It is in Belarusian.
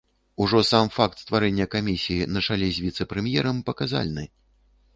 Ужо сам факт стварэння камісіі на чале з віцэ-прэм'ерам паказальны.